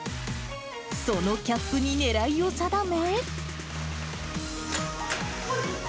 そのキャップに狙いを定め。